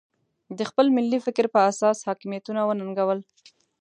د خپل ملي فکر په اساس حاکمیتونه وننګول.